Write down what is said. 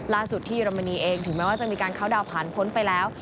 ที่เยอรมนีเองถึงแม้ว่าจะมีการเข้าดาวนผ่านพ้นไปแล้ว